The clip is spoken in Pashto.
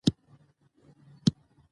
دوی مرچلونه نیولي وو.